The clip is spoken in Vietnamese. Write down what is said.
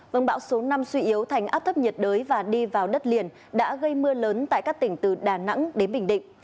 vâng bão số năm suy yếu thành áp thấp nhiệt đới và đi vào đất liền đã gây mưa lớn tại các tỉnh từ đà nẵng đến bình định